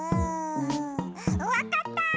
わかった！